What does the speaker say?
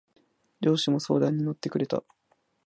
上司も相談に乗ってくれた。